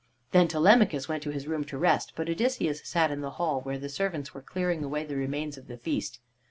Then Telemachus went to his room to rest, but Odysseus sat in the hall where the servants were clearing away the remains of the feast.